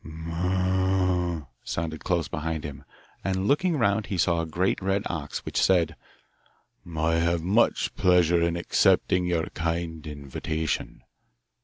'Moo oo,' sounded close behind him, and looking round he saw a great red ox, which said, 'I have much pleasure in accepting your kind invitation.